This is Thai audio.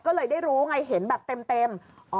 ก็เลยได้รู้ไงเห็นแบบเต็ม